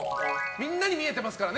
みんなに見えていますからね